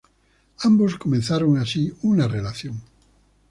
Ambos comenzaron así una relación.